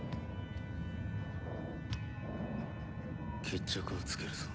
決着をつけるぞ。